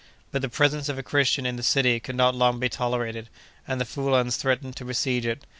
But the presence of a Christian in the city could not long be tolerated, and the Foullans threatened to besiege it.